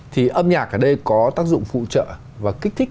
thì âm nhạc ở đây có tác dụng phụ trợ và kích thích